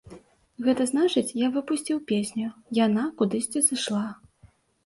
Гэта значыць, я выпусціў песню, яна кудысьці сышла.